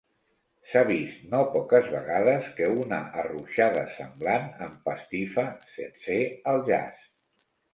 S'ha vist no poques vegades que una arruixada semblant empastife sencer el jaç.